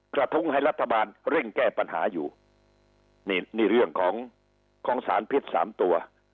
กระทุ้งให้รัฐบาลเร่งแก้ปัญหาอยู่นี่นี่เรื่องของของสารพิษสามตัว